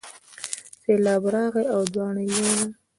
سیلاب راغی او دواړه یې یووړل.